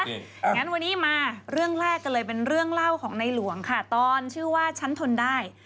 อย่างนั้นวันนี้มาเรื่องแรกกันเลยเป็นเรื่องเล่าของในหลวงค่ะตอนชื่อว่าฉันทนได้